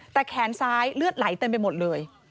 แต่แขนซ้ายเลือดไหลเต็มไปหมดเลย